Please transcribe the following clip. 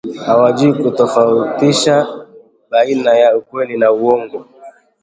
Hawajui kutofautisha baina ya ukweli na uongo